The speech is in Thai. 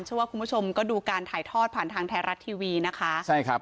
เชื่อว่าคุณผู้ชมก็ดูการถ่ายทอดผ่านทางไทยรัฐทีวีนะคะใช่ครับ